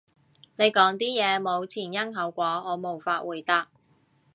你講啲嘢冇前因後果，我無法回答